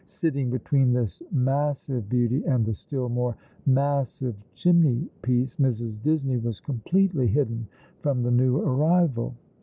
Sitting between this massive beauty and the still more massive chimney piece, Mrs. Disney was completely hidden from the new arrival.